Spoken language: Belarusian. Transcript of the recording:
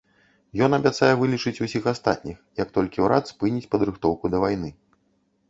Ён абяцае вылечыць усіх астатніх, як толькі ўрад спыніць падрыхтоўку да вайны.